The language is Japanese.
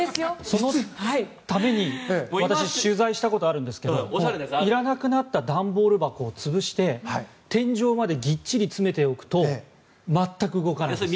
そのために私、取材したことあるんですけどいらなくなった段ボール箱を潰して天井までぎっちり詰めておくと全く動かないです。